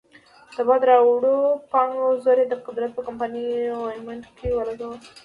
د باد راوړو پانګو زور یې د قدرت په کمپایني غویمنډ کې ولګاوه.